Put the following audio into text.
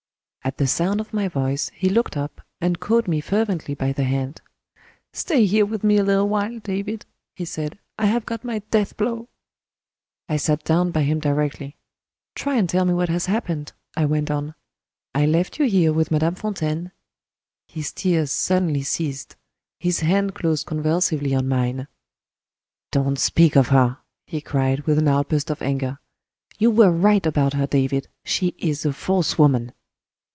At the sound of my voice he looked up, and caught me fervently by the hand. "Stay here with me a little while, David," he said. "I have got my death blow." I sat down by him directly. "Try and tell me what has happened," I went on. "I left you here with Madame Fontaine " His tears suddenly ceased; his hand closed convulsively on mine. "Don't speak of her," he cried, with an outburst of anger. "You were right about her, David. She is a false woman."